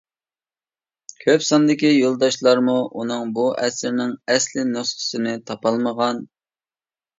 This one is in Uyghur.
كۆپ ساندىكى يولداشلارمۇ ئۇنىڭ بۇ ئەسىرىنىڭ ئەسلى نۇسخىسىنى تاپالمىغان.